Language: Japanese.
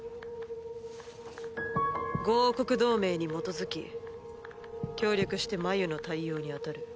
５王国同盟に基づき協力して繭の対応にあたる。